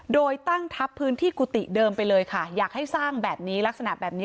โดยตั้งทัพพื้นที่กุฏิเดิมไปเลยค่ะอยากให้สร้างแบบนี้ลักษณะแบบนี้